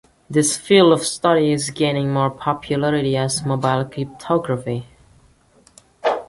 This field of study is gaining popularity as "mobile cryptography".